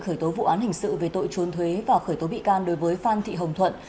khởi tố vụ án hình sự về tội trốn thuế và khởi tố bị can đối với phan thị hồng thuận